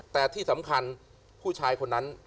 แต่ที่สำคัญผู้ชายคนนั้น